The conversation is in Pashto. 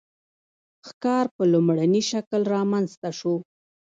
ښکار په لومړني شکل رامنځته شو.